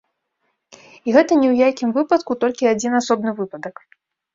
І гэта ні ў якім выпадку толькі адзін асобны выпадак.